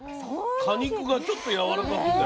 果肉がちょっとやわらかくて。